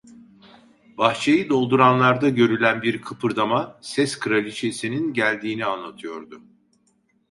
Bahçeyi dolduranlarda görülen bir kıpırdama, ses kraliçesinin geldiğini anlatıyordu.